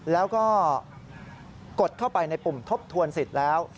แล้วก็กดเข้าไปในปุ่มทบทวนสิทธิ์แล้ว